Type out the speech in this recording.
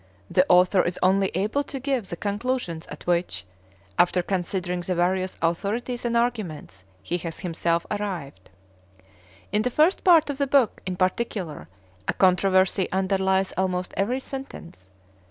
The author is only able to give the conclusions at which, after considering the various authorities and arguments, he has himself arrived. In the first part of the book, in particular, a controversy underlies almost every sentence.